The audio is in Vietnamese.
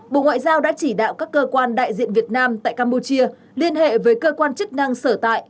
bộ ngoại giao đã chỉ đạo các cơ quan đại diện việt nam tại campuchia liên hệ với cơ quan chức năng sở tại